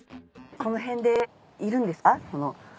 この辺でいるんですか？